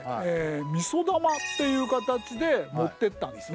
みそ玉っていう形で持ってったんですね。